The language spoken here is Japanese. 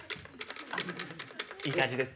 いい感じです。